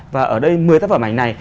và ở đây một mươi tác phẩm ảnh này